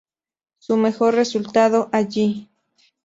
Su mejor resultado allí.